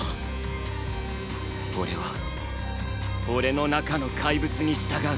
俺は俺の中のかいぶつに従う。